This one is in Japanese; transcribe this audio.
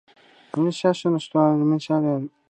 ムルシア州の州都はムルシアである